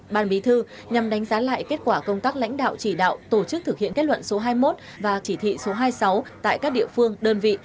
ban bí thư nhằm đánh giá lại kết quả công tác lãnh đạo chỉ đạo tổ chức thực hiện kết luận số hai mươi một và chỉ thị số hai mươi sáu tại các địa phương đơn vị